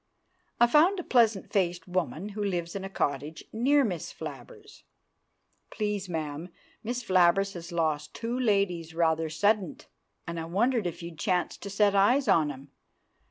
I found a pleasant faced woman who lives in a cottage near Miss Flabbers. "Please, ma'am, Miss Flabbers has lost two ladies rather suddint, and I wondered if you'd chanced to set eyes on 'em?